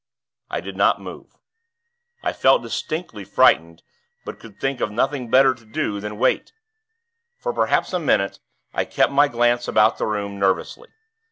I did not move. I felt distinctly frightened; but could think of nothing better to do than wait. For perhaps a minute, I kept my glance about the room, nervously.